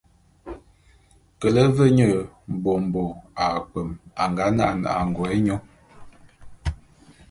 Kele ve nye mbômbo akpwem a nga nane angô’é nyô.